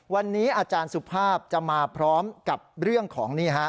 วันนี้อาจารย์สุภาพจะมาพร้อมกับเรื่องของนี่ฮะ